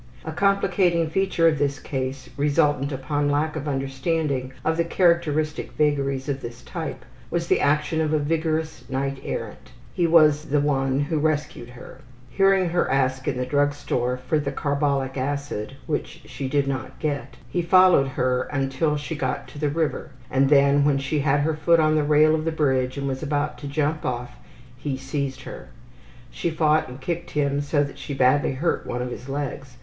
A complicating feature of this case, resultant upon lack of understanding of the characteristic vagaries of this type, was the action of a vigorous knight errant. He was the one who rescued her. Hearing her ask in the drug store for the carbolic acid, which she did not get, he thought she was desperate and questioned her, but she tearfully refused to answer. He quietly followed her until she got to the river, and then, when she had her foot on the rail of the bridge and was about to jump off, he seized her. She fought and kicked him so that she badly hurt one of his legs.